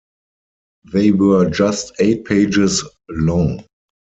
They were just eight pages long.